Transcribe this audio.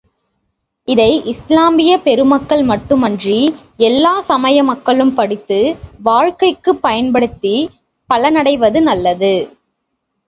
இதை இஸ்லாமியப் பெருமக்கள் மட்டுமின்றி, எல்லாச் சமய மக்களும் படித்து, வாழ்க்கைக்குப் பயன்படுத்திப் பலனடைவது நல்லது.